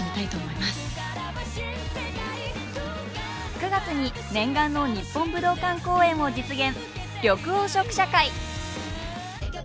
９月に念願の日本武道館公演を実現！